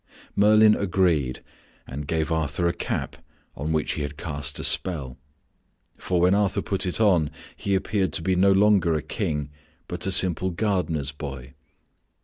Merlin agreed and gave Arthur a cap on which he had cast a spell. For when Arthur put it on he appeared to be no longer a king, but a simple gardener's boy.